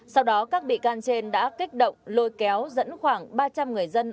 sau đó các bị can trên đã kích động lôi kéo dẫn khoảng ba trăm linh người dân